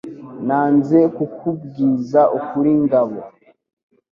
nanze kuku bwiza ukuri ngabo